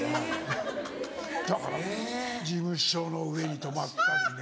だから事務所の上に泊まったりね。